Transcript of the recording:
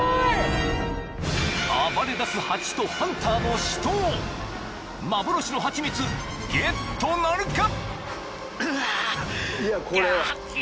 ［暴れだすハチとハンターの死闘幻のハチミツゲットなるか？］